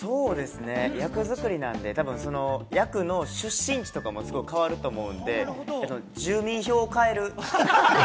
役作りなんで、たぶん役の出身地とかもすごい変わると思うので、住民票を変える。